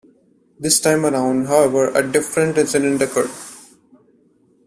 This time around, however, a different incident occurred.